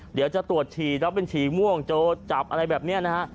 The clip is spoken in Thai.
เดี๋ยวจะตรวจฉี่แล้วเป็นฉี่ม่วงโจจับอะไรแบบนี้นะฮะ